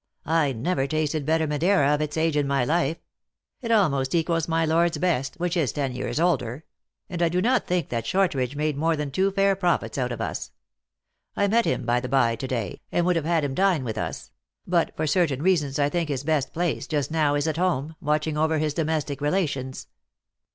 I never tasted better Madeira of its age in my life it almost equals my lord s best, which is ten years older; and I do not think that Shortridge made more than two fair profits out of us. I met him, by the by, to day, and would have had him to dine with us; but, for certain rea sons, I think his best place, just now, is at home, w atching over his domestic relations."